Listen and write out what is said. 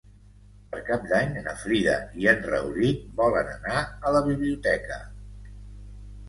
Per Cap d'Any na Frida i en Rauric volen anar a la biblioteca.